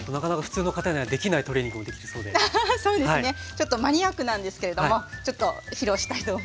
ちょっとマニアックなんですけれどもちょっと披露したいと思います。